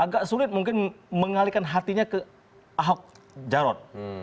agak sulit mungkin mengalihkan hatinya ke ahok jarot